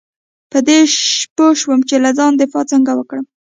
په دې پوه شه چې له ځان دفاع څنګه وکړم .